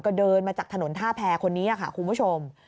ก็เดินมาจากถนนท่าแพรคนนี้ค่ะคุณผู้ชม